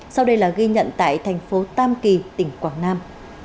sau đây là ghi nhận tại thành phố tam kỳ tỉnh quảng nam